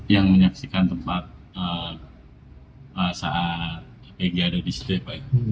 yang menyaksikan tempat saat pg ada di situ pak